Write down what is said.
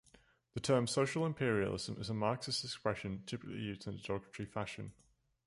The term "social imperialism" is a Marxist expression, typically used in a derogatory fashion.